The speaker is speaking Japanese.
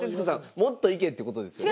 もっといけという事ですよね？